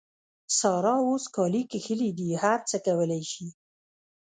سارا اوس کالي کښلي دي؛ هر څه کولای سي.